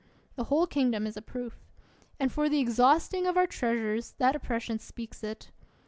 The whole kingdom is a proof. And for the exhausting of our treasures, that oppression speaks it.